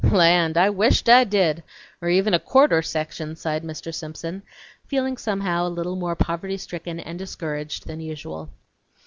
"Land! I wish't I did! or even a quarter section!" sighed Mr. Simpson, feeling somehow a little more poverty stricken and discouraged than usual.